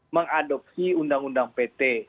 mengadopsi undang undang pt